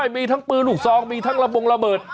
มีทั้งปืนลูกซองมีทั้งระบงระเบิด